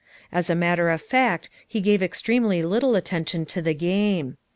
As a matter of fact he gave extremely little attention to the game.